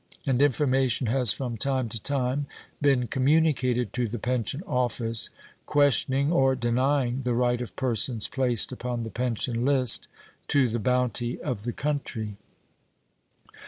And information has from time to time been communicated to the Pension Office questioning or denying the right of persons placed upon the pension list to the bounty of the country.